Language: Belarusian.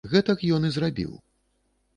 Гэтак ён і зрабіў.